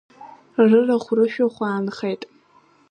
Рырахә-рышәахә аанхеит…